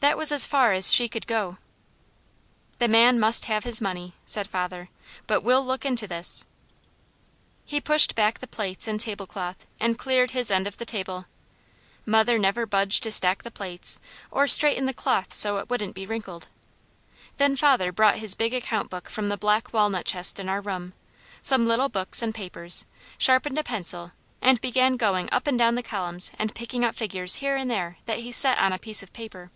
That was as far as she could go. "The man must have his money," said father, "but we'll look into this " He pushed back the plates and tablecloth, and cleared his end of the table. Mother never budged to stack the plates, or straighten the cloth so it wouldn't be wrinkled. Then father brought his big account book from the black walnut chest in our room, some little books, and papers, sharpened a pencil and began going up and down the columns and picking out figures here and there that he set on a piece of paper.